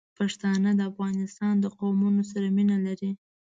پښتانه د افغانستان د قومونو سره مینه لري.